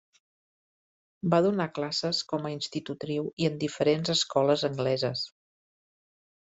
Va donar classes com a institutriu i en diferents escoles angleses.